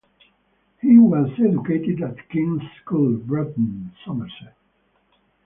He was educated at King's School, Bruton, Somerset.